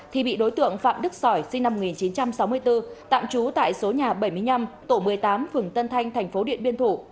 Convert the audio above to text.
thì bị đối tượng phạm đức sỏi sinh năm một nghìn chín trăm sáu mươi bốn tạm chú tại số nhà bảy mươi năm tổ một mươi tám phường tân thanh thành phố điện biên phủ